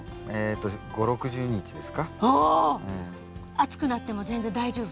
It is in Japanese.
暑くなっても全然大丈夫？